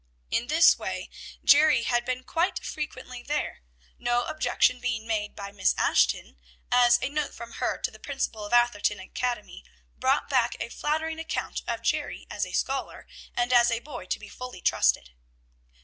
In this way Jerry had been quite frequently there, no objection being made by Miss Ashton, as a note from her to the principal of Atherton Academy brought back a flattering account of Jerry as a scholar, and as a boy to be fully trusted.